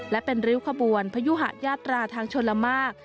และเป็นริ้วขบวนพระอยู่หายาตาทางจุฬม่า